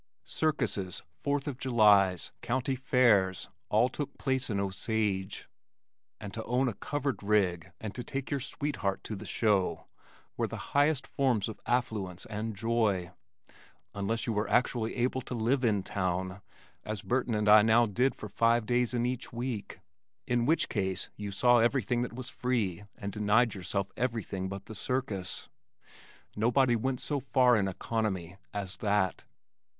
Circuses, Fourth of Julys, County Fairs, all took place in Osage, and to own a "covered rig" and to take your sweetheart to the show were the highest forms of affluence and joy unless you were actually able to live in town, as Burton and I now did for five days in each week, in which case you saw everything that was free and denied yourself everything but the circus. Nobody went so far in economy as that.